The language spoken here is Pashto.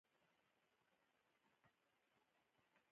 تور عصمت قانع په کابل کې د کرايي کور په ناورين اوښتی دی.